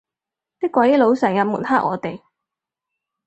啲鬼佬成日抹黑我哋